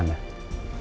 makasih banyak banyak